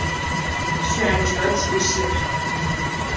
选庶吉士。